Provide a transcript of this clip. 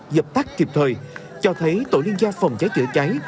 dập tắt kịp thời cho thấy tổ liên gia phòng cháy chữa cháy